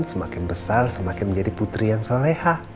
semakin besar semakin menjadi putri yang soleha